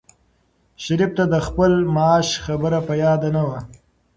شریف ته د خپل معاش خبره په یاد نه وه.